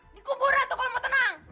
dikuburkan tuh kalau mau tenang